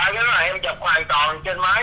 dạ em chụp hoàn toàn trên máy